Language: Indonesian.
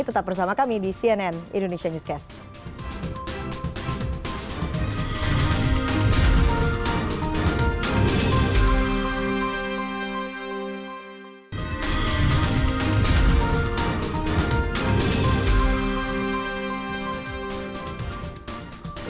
tetap bersama kami di cnn indonesia newscast